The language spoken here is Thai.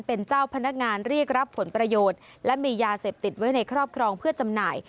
เป็นเจ้าพนักงานเรียกรับผลประโยชน์และมียาเสพติดไว้ในครอบครองเพื่อจำหน่าย